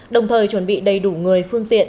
đồng thời chuẩn bị đầy đủ người phương tiện